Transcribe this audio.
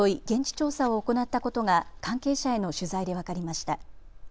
現地調査を行ったことが関係者への取材で分かりました。